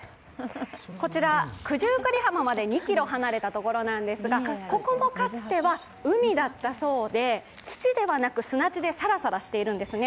こちら九十九里浜まで２ｋｍ離れたところなんですが、ここもかつては海だったそうで、土ではなく砂地でサラサラしているそうなんですね。